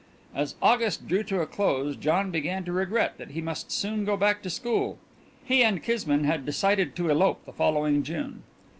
As August drew to a close John began to regret that he must soon go back to school. He and Kismine had decided to elope the following June.